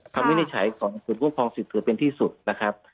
วินิจฉัยของศูนย์คุ้มครองสิทธิ์ถือเป็นที่สุดนะครับ